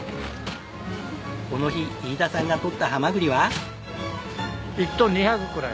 この日飯田さんが獲ったハマグリは。